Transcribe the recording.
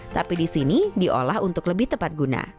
tapi di sini diolah untuk lebih baik